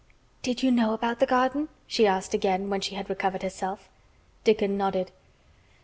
"Did you know about the garden?" she asked again when she had recovered herself. Dickon nodded.